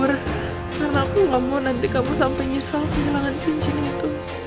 karena aku gak mau nanti kamu sampai nyesel kehilangan cincin itu